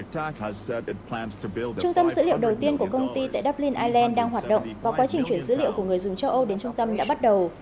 trung tâm dữ liệu đầu tiên của công ty tại dublin ireland đang hoạt động và quá trình chuyển dữ liệu của người dùng châu âu đến trung tâm đã bắt đầu